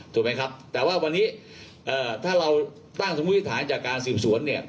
ถูกไหมครับแต่ว่าวันนี้ถ้าเราตั้งสมมุติฐานจากการสืบสวนเนี่ย